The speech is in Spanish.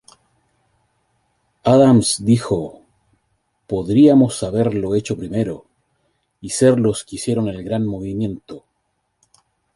Adams dijo: ""Podríamos haberlo hecho primero y ser los que hicieron el gran movimiento.